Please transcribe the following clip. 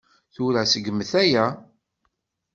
Tura, seggmet aya.